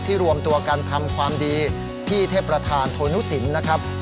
รวมตัวกันทำความดีที่เทพประธานโทนุสินนะครับ